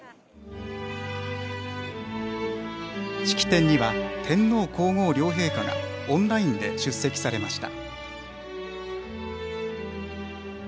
式典には天皇皇后両陛下がオンラインで出席されました。